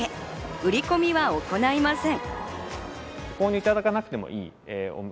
売り込みは行いません。